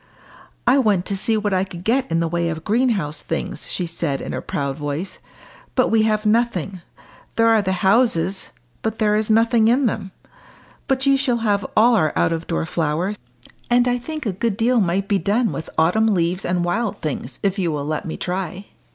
"I went to see what I could get in the way of greenhouse things," she said in a sudden proud voice. "But we have nothing. There are the houses, but there is nothing in them. But you shall have all our out of door flowers, and I think a good deal might be done with autumn leaves and wild things if you will let me try."